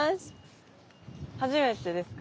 初めてですか？